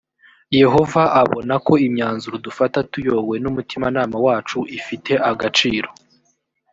yehova abona ko imyanzuro dufata tuyobowe n’ umutimanama wacu ifite agaciro.